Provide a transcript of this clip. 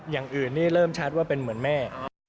อย่างอื่นนี่เริ่มชัดว่าเป็นเหมือนแม่